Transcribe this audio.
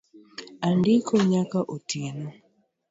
Andiko nyaka otieno